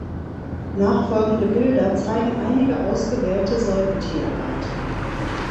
Nachfolgende Bilder zeigen einige ausgewählte Säugetierarten.